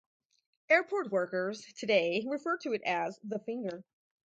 Airport workers, today, refer to it as "The Finger".